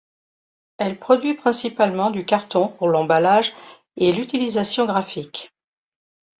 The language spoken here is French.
Elle produit principalement du carton pour l’emballage et l’utilisation graphique.